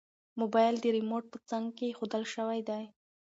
موبایل د ریموټ په څنګ کې ایښودل شوی دی.